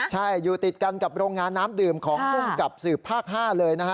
ใช่อยู่ติดกันกับโรงงานน้ำดื่มของภูมิกับสืบภาค๕เลยนะฮะ